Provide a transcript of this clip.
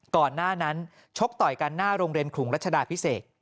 ก่อนหน้านั้นชกต่อยกันหน้าโรงเรียนขลุงรัชดาพิเศษ